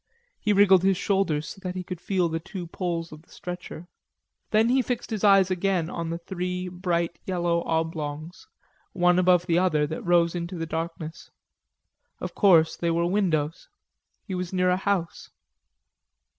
He wriggled his shoulders so that he could feel the two poles of the stretcher. Then he fixed his eyes again in the three bright yellow oblongs, one above the other, that rose into the darkness. Of course, they were windows; he was near a house.